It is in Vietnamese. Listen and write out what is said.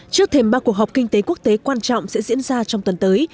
trước thêm ba cuộc họp kinh tế quốc tế quan trọng sẽ diễn ra trong tuần tới